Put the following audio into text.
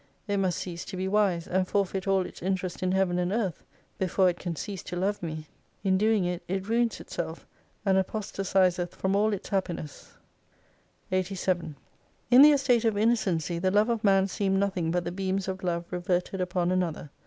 It must cease to be wise, and forfeit all its interest in Heaven and Earth, before it can cease to love me. In doing it, it ruins itself and apostatizeth from all its happiness. 87 In the estate of innocency the love of man seemed nothing but the beams of love reverted upon another.